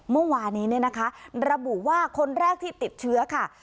เมื่อวานนี้เนี่ยนะคะระบุว่าคนแรกที่ติดเชื้อค่ะ